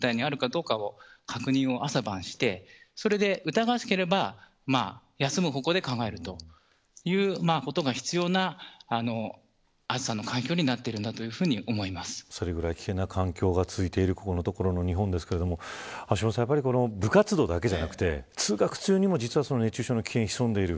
具体的にあるかどうかの確認を朝晩してそれで疑わしければ休む方向で考えるということが必要な暑さの環境になっているとそれくらい危険な環境が続いている、ここのところの日本ですが橋下さん、部活動だけじゃなくて通学中にも熱中症の危険が潜んでいる。